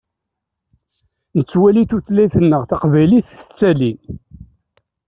Nettwali tutlayt-nneɣ taqbaylit tettali.